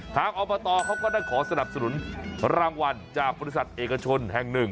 อบตเขาก็ได้ขอสนับสนุนรางวัลจากบริษัทเอกชนแห่งหนึ่ง